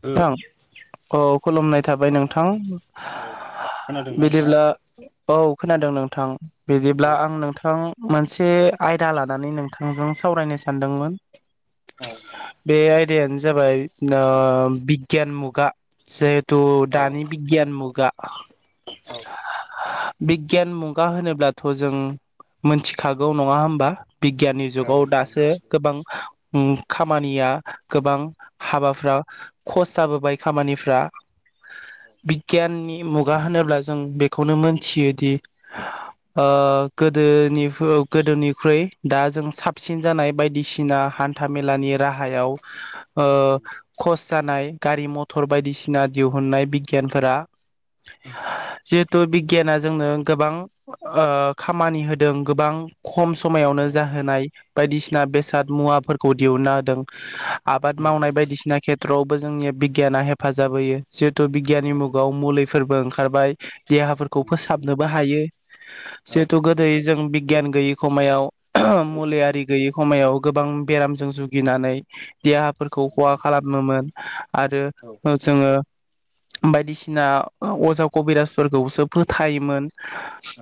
औ थां अ खुलुमनाय थाबाय नोंथां खोनादोंना नोंथाङा बिदिब्ला औ खोनादों नोंथां। औ बिदिब्ला आं नोंथां मोनसे आयदा लानानै नोंथांजों सावरायनो सानदोंमोन औ बे आयदायानो जाबाय नोम बिगगियान मुगा जे थ' औ दानि बिगियान मुगा बिगगियान मुगा होनोब्लाथ जों मोन्थिखागौ नङा होमबा बिगगियाननि जुग औ नोंथां दासो मिथिगौ गोबां उम खामानिया गोबां औ हाबाफ्रा खस जाबोबाय खामानिफ्रा औ नंगौ बिगगियाननि मुगा होनोब्ला जों बेखौनो मोनथियोदि ओ गोदोनि गोदोनिख्रुइ दा जों साबसिन जानाय बायदिसिना हान्था औ मेलानि राहायाव ओ नंगौ कस जानाय गारि मथर बायदिसिना दिहुननाय बिगियानफोरा जिहेथु बिगियाना जोंनो गोबां ओ खामानि होदों गोबां खम नंगौ औ समायावनो जाहोनाय बायदिसिना बेसाद मुवाफोरखौ दिहुनना होदों। बाद नंगौ नोंथां मावनाय बायदिसिना खेथ्रआव बो जोंनिया बिगगियाना हेफाजाब होयो जिहतु बिगगियाननि औ मुगाव मुलिफोरबो ओंखारबाय देहाफोरखौ नंगौ नंगौ फोसाबनोबो हायो। औ जिहथु गोदै जों बिगगियान गोयै खमायाव मुलिआारि गैयै खमायाव गोबां बेरामजों जुगिनानै देहाफोरखौ नंगौ खहा नोंथां औ नंगौ नोंथां औ खालामोमोन आरो जोङो बायदिसिना अजा कबिराजफोरखौसो फोथायोमोन।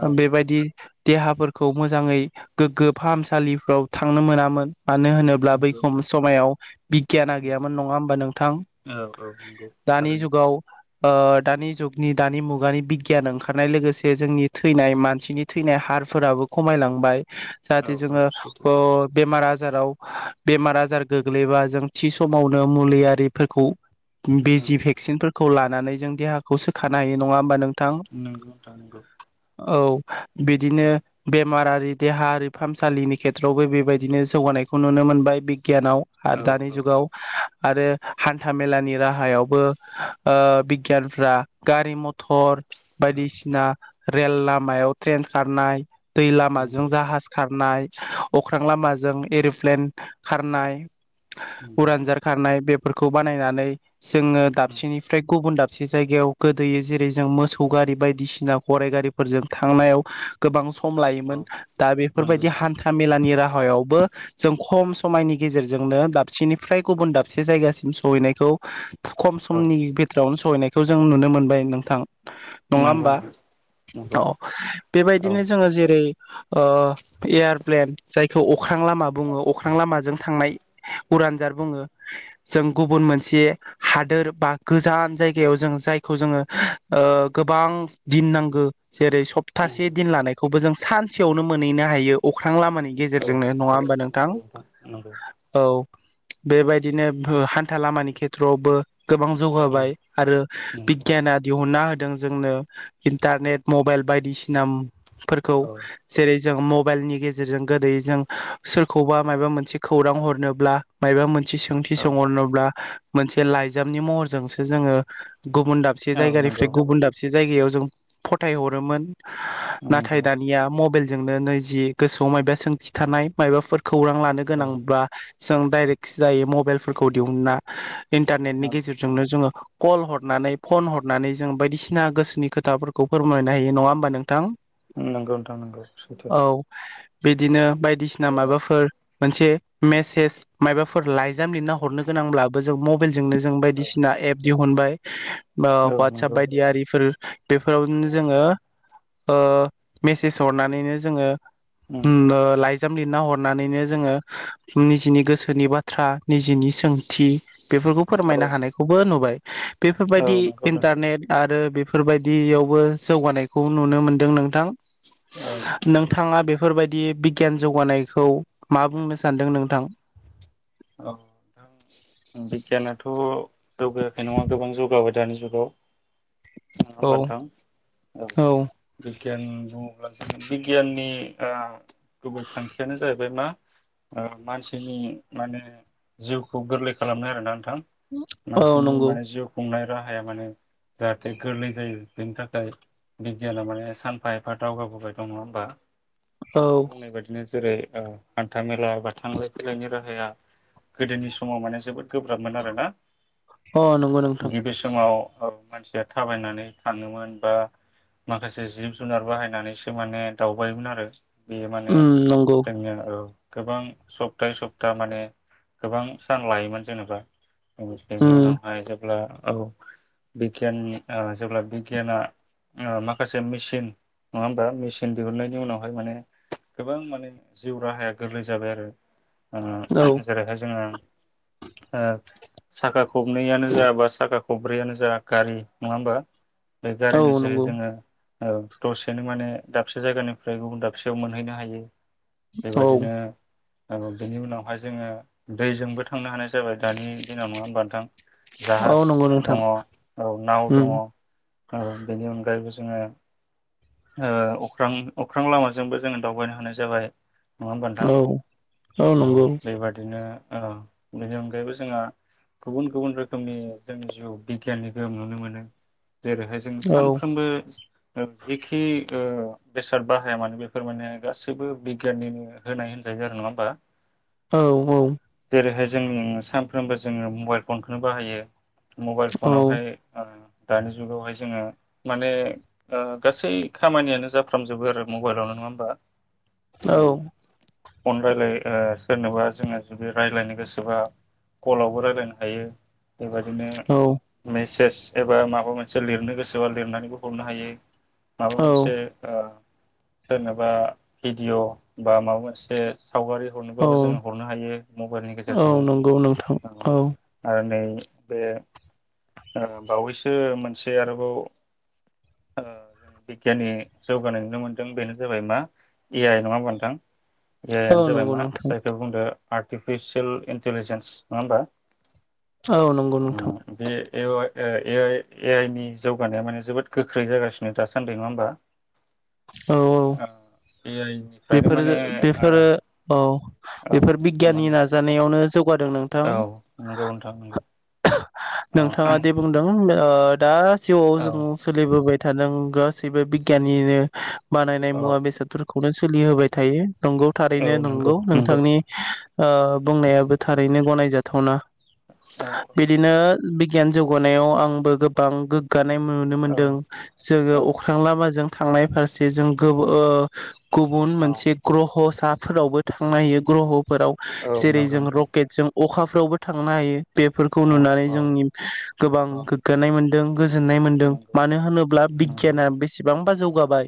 ओम बेबायदि देहाफोरखौ मोजाङै गोग्गो फाहामसालिफ्राव थांनो मोनामोन मानो होनो ब्ला बै खम समायाव बिगगियाना गैयामोन नङा होमबा नोंथां औ नंगौ दानि थारैनो जुगाव ओ दानि जुगनि दानि मुगानि बिगगियान ओंखारनाय लोगोसे जोंनि थैनाय मानसिनि थैनाय हारफोराबो खमायलांबाय औ जाहाथे औ जोङो सैथो ओ बेमार आजाराव बेमार आजार गो ग्लैबा जों थि समावनो मुलियारिफोरखौ बे औ जि भेक्सिनफोरखौ खौ लानानै जों देहाखौ सोखानो हायो नङा होमबा नों थां नंगौ नोंथां नंगौ औ औ बिदिनो बेमार आरि देहा बे फाहामसालिनि खेथ्रआवबो बेबायदिनो जौगानायखौ नुनो मोनबाय बिगियानाव। औ आरो दानि औ जुगाव आरो हान्था मेलानि राहायावबो ओ बिगियानफ्रा ओ गारि मथर औ बायदिसिना रेल लामायाव ट्रेन खारनाय। दै लामाजों नंगौ जाहाज खारनाय अख्रां लामाजों एरप्लेन खारनाय नंगौ नोंथां उरनजार खारनाय बे फोरखौ बानायनानै। जोङो दाबसेनिफ्राय गुबुन दाबसे। मोनसे जायगायाव गोदोयो जेरै जों मोसौ गारि बायदिसिना गराइ गारिफोरजों थांनायाव गोबां सम। सम औ लायोमोन दा नंगौ नंगौ बेफोरबायदि हान्था मेलानि राहायावबो जों। खम समायनि गेजेरजों। जोंनो दाबसेनिफ्राय गुबुन दाबसे जायगासिम सहैनायखौ। खम औ समनि बिथोरावनो। सहैनायखौ जों नुनो मोनबाय नोंथां। नङा नंगौ होमबा नोंथां नंगौ औ औ बेबायदिनो जोङो जेरै। ओ एयारप्लेन जायखौ। अख्रां लामा बुङो अख्रां लामाजों थांनाय। उरानजाद बुङो जों गुबुन मोनसे हादोर बा गोजान जायगायाव जों जायखौ ओ जोङो गोबां दिन नांगौ। जेरै सप्तासे नंगौ दिन लानायखौबो जों। सानसेयावनो मोनहैनो हायो अख्रां। लामानि औ गेजेरजोंनो नङा औ होमबा नोंथां। नंगौ नंगौ औ बेबायदिनो बो। हान्था लामानि खेथ्रआवबो। गोबां उम जौगाबाय आरो नंगौ बिगियाना दिहुनना होदों। दों जोंनो इन्टारनेट मबाइल बायदिसिना। फोरखौ औ जेरै। जों मबाइलनि गेजेरजों गोदै जों सोरखौबा माबबा मोनसे खौरां हर। होनोब्ला मायबा मोन मोनथि सोंथि औ सोंहरनोब्ला मोनसे लाइजामनि महरजोंसो जोङो गुबुन दाबसे औ नंगौ जायगानिफ्राय गुबुन दाबसे जायगायाव जों फथाय हरोमोन नंगौ नाथाय दानिया मबाइल जोंनो नैजि गोसोआव माइबा सोंथि थानाय मबाफोरखौ खौरां लानो औ गोनांब्लाा जों डाइरेक्ट जायो मबाइलफोरखौ दिहुनना औ इन्टारनेटनि गेजेरजोंनो जोङो कल हरनानै फन हरनानै जों बायदिसिना गोसोनि खोथाफोरखौ फोरमायनो हायो नङा होमबा नोंथां नोंगौ नोंथां नोंगौ सैथो। औ बिदिनो बायदिसिना औ माबाफोर मोनसे मेस मायफोर ला जाम लिरना हरनो गोनांब्लाबो जों मबाइलजोंनो जों बायदिसिना एप दिहु मोनबाय ओ औ वाटसाप नंगौ बायदि आरिफोर बेफोरावनो जोङो ओ मेसेज हरनानैनो जोङो उम ओ लाय जाम लिरना हरनानैनो जोङो निजिनि गोसोनि बाथ्रा निजिनि सोंथि बेफोरखौ औ फोरमायनो हानायखौबो नुबाय। औ बेफोरबायदि नंगौ दे इन्टारनेट आरो बेफोरबायदियावबो जौगानायखौ नुनो मोनदों नोंथां। औ नंगौ नोंथाङा बे फोरबायदि बिगियान जौगानायखौ मा बुंनो सानदों नों थां? औ बिगियानाथ' जौगायाखै नङा गोबां जौगाबाय दानि जुगाव। नङा औ होनब्ला नोंथां? औ बिगियान बुङोब्लासो बिगियाननि ओ गुबै थांखियानो जाहैबाय मा ओ मानसिनि माने जिउखौ गोरलै खालामनो आरोना। [unintelligible] औ मानसिनि नंगौ माने जिउ खुंनाय राहाया माने जाहाथे गोरलै जायो बेनि थाखाय बिगियाना माने सानफा एफा दावगाबोबाय दं नङा होमबा। औ नोंथां बुंनाय बायदिनो जेरै ओ हान्था मेला बा थांलाय फैलायनि रा हाया गोदोनि समाव माने जोबोद गोब्राबमोन आरोना। अ नंगौ नोंथां गिबि समाव औ मानसिया थाबायनानै थाङोमोन बा माखासे जिब जुनार बाहायनानैसो माने दावबायोमोन आरो बेयो माने उम नंगौ जोंनो औ गोबां सफ्थायै स फ्था माने गोबां सान लायोमोन जेनेबा। [unintelligible] बेनि उम उनावहाय जेब्ला औ बिगियाननि ओ जेब्ला बिगियाना ओ माखासे मेचिन नङा होमबा मेचिन दिहुननायनि उनावहाय माने गोबां माने जिउ राहाया गोरलै जाबाय आरो। औ [unintelligible] जेरैहाय जोङो ओ साखा खबनैयानो जा बा साखा खब्रैयानो जा गारि नङा ओमबा बे औ गारिनि जे नंगौ जोङो औ दसेनो माने दाबसे जायगानिफ्राय गुबुन दाबसेयाव मोनहैनो हायो औ बेबादिनो औ बेनि उनावहाय जोङो दैजोंबो थांनो हानाय जाबाय दानि दिनाव नङा होमबा नोंथां औ जाहास नंगौ नोंथां दङ औ नाव उम दङ औ बेनि अनगायैबो जोङो ओ अख्रां अख्रां लामाजोंबो जोङो दावबायनो हानाय जाबाय नङा होमबा नोंथां औ औ बेबादिनो ओ बेनि अनगायैबो जोङा गुबुन गुबुन रोखोमनि जोंनि जिउ बिगियाननि गोहोम नुनो मोनो जेरैहाय जों औ सानफ्रोमबो ओ जिखि ओ बेसाद बाहाया मानो बेफोर माने गासैबो बिगियाननिनो होनाय होनजायो आरो नङा ओमबा औ-औ जेरैहाय जोंनि सानफ्रोमबो जोङो मबाइल फनखोनो बाहायो मबाइल औ फनावहाय ओ दानि जुगावहाय जोङो माने ओ गासै खामानियानो जाफ्रामजोबो आरो मबाइलावनो नङा ओमबा औ फन रायलाय ओ सोरनोबा जोङो जुदि रायजलायनो गोसोबा कलावबो रायलायनो हायो बेबायदिनो औ मेस [unintelligible] एबा माबा मोनसे लिरनो गोसोबा लिरनानैबो हरनो हायो माबा औ मोनसे ओ सोरनोेबा भिडिअ बा माबा मोनसे सावगारि औ हरनोबाबो जोङो हरनो हायो मबाइलनि औ गेजेरजोंनो नंगौ नोंथां औ [unintelligible] आरो नै बे ओ बावैसो मोनसे आरोबाव ओ बिगियाननि जौगानाय नुनो मोनदों बेनो जाबाय मा ए आइ नङा ओमबा नोंथां? ए आइ औ नो जाबाय नंगौ मा नोंथां [unintelligible] आर्टिफिसियेल इन्टलिजेन्स नङा ओमबा औ नंगौ ओ नोंथां बे एवाय ए ए आइ ए आइ नि जौगानाया माने जोबोद गोख्रै जागासि नो दासान्दि नङा ओमबा औ औ निफ्रायनो बेफोर माने ओ, बेफोरो औ औ बेफोर बिगियाननि माने नाजानायावनो जौ औ नंगौ नोंथां नंगौ ओ, नोंथाङा दे बुंदों ओ दा जिउआव औ जोङो सोलिबोबाय थादों गासैबो बिगियाननिनो [unintelligible] बानायनाय औ मुवा बेसाद फोर खौनो सोलि होबाय थायो नंगौ थारैनो नंगौ नोंथांनि आ बुंनायाबो थारैनो गनायजाथावना। औ बिदिनो बिगियान जौगानायाव आंबो गोबां गो गानाय मोनो मोन्दों। जोङो औ अख्रां लामाजों थांनाय फारसे जों गोब ओ गुबुन औ मोनसे ग्रह साफोरावबो थांनो हायो। ग्रह फोराव औ जेरै नंगौ जों नोंथां रकेटजों अखाफोरावबो थांनो हायो। बेफोरखौ औ नुनानै औ जोंनि गोबां औ गोग्गानाय मोन दों गोजोन्नाय मोनदों नंगौ मानो होनोब्ला नंगौ बिगियाना बेसेबांबा जौ गाबाय।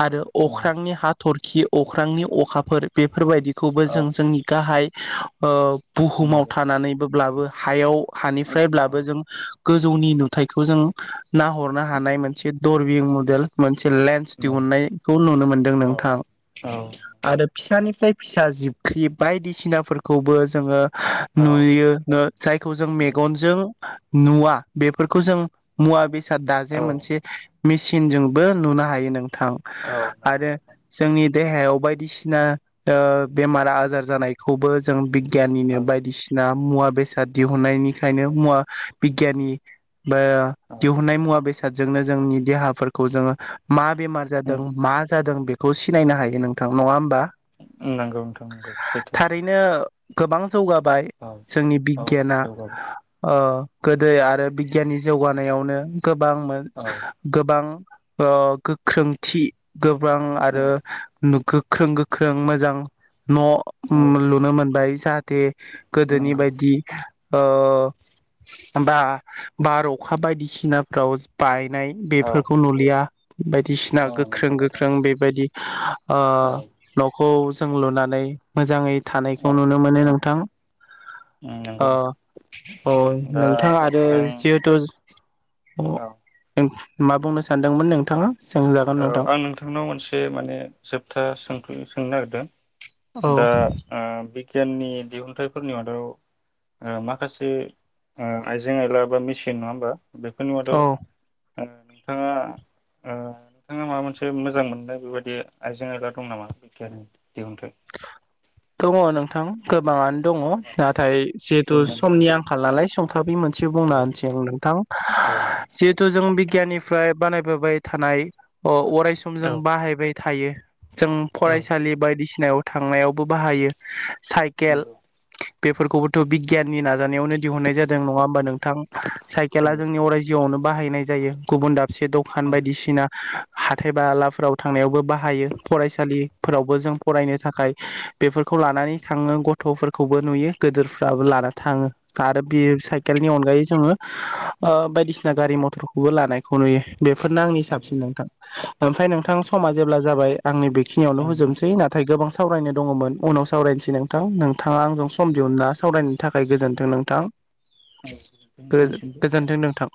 [inaudible] आरो औ अख्रांनि हाथ'रखि खि अख्रांनि अखाफोर बे फोरबायदिखौबो औ जों जोंनि गाहाय ओ बुहुमाव नंगौ थानानैबोब्लाबो हायाव औ हानिफ्रायब्लाबो औ जों गोजौनि नुथायखौ जों नाहरनो हानाय मोनसे दरबिं मडेल मोनसे नंगौ दिहुननायखौ नुनो मोनदों औ नोंथां। आरो फिसानिफ्राय फिसा जिबख्रि बायदिसिनाफोरखौबो जोङो औ नुयो ङो जायखौ जों औ मेगनजों नुवा बेफोरखौ जों मुवा बेसे दा जे मोनसे मेसिनजोंबो नुनो हायो नों। थां औ आरो नंगौ जोंनि देहायाव बायदिसिना ओ बेमार आजार जानायखौबो जों गियाननिनो औ बायदिसिना- मुवा बेसाद दिहुननायनिखायनो मुवा बिगियानि बोआ औ दिहुननाय मुवा बेस जोंनो जोंनि देहाफोरखौ जोङो मा। बेमार जादों मा जादों। बेखौ सिनायनो हायो नोंथां नङा होमबा? नंगौ नोंथां नंगौ सैथो। थारैनो गोबां जौगाबाय औ जोंनि औ बिगियाना जौगाबाय ओ। गोदो आरो बिगियाननि जौगानायावनो। गोबां मोन औ गोबां ओ। खोमथि गोबां आरो नुगो। गोख्रों गोख्रों मोजां औ न' लुनो मोनबाय। दे गोदोनि नंगौ बायदि बा बार अखा बायदिसिनाफ्राव बाय नाय औ बेफोरखौ नुलिया। बाय बायदिसिना औ नंगौ गोख्रों नोंथां गोख्रों बेबायदि औ न'खौ जों लुनानै मोजाङै थानायखौ औ नुनो मोनो औ नोंथां। नंगौ अ नोंथां दा नोंथां आरो नोंथां जिहेथु औ अ। मा बुंनो सानदोंमोन नोंथाङा? सोंजागोन औ नोंथां आं नोंथांनाव मोनसे माने जोबथा सोंथ'नो सै। सोंनो नागिरदों। औ दा बिगियाननि दिहुनथायाइ। फोरनि मादाव माखासे आइजें आइला बा मेसिन नङा होमबा बेफोरनि मादाव औ नोंथाङा नोंथाङा माबा मोनसे मोजां मोननाय बेबायदि आइजें आयला दं नामा बिगियाननि दिहुनथाइ दङ नोंथां गोबांआनो दङ औ नाथाय जिहेतु बुंनानै होदो समनि आंखाल नालाय सम मोनसे औ बुंना होनोसै आं नोंथां औ नोंथां जिहेथु जों बिगियाननिफ्राय बानायबोबाय थानाय अ अरायस जों औ बाहायबाय थायो जों औ फरायसालि बायदिसिना [unintelligible] थांनायावबो बाहायो साइकेल नंगौ औ बेफोरखौबोथ' बि गियाननि नाजानायावनो दिहन्नाय जादों नङा होमबा नों थां औ साइकेला नंगौ जोंनि अराय जिआवनो बाहायनाय जायो गुबुन दाब से दखान नोंथां औ बायदिसिना हाथाय बालाफोराव थांनायावबो बाहायो फरायसालिफोरावबो जों फरायनो थाखाय बेफोरखौ लानानै थाङो गथ'फोरखौबो नुयो गोदोरफ्राबो लानानै थाङो आरो बे साइकेलनि अनगायै जोङो ओ बायदिसिना गारि मथरखौबो लानायखौ नुयो बेफोरनो आंनि साबसिन औ नोंथां ओमफ्राय नोंथां समा जेब्ला जाबाय आंनि बे खिनियावल' नोंथां होजोबसै नथाय गोबां सावरायनो दङमोन उनाव सावरायनोसै नोंथां नों थाङा आंजों सम दिहुनना सावरायनि थाखाय गोजोन्थों नोंथां औ गोजोनथों नोंथांनिसिमबो गो-गोजोनथों नोंथां